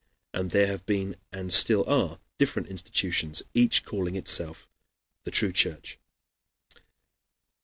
And there have been and still are different institutions, each calling itself the true Church.